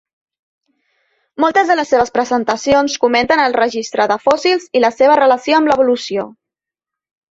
Moltes de les seves presentacions comenten el registre de fòssils i la seva relació amb l'evolució.